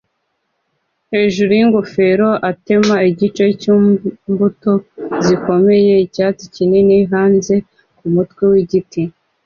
hejuru yingofero atema igice cyimbuto zikomeye nicyatsi kinini hanze kumutwe wigiti